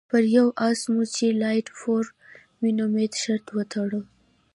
پر یوه اس مو چې لایټ فور مي نومېده شرط وتاړه.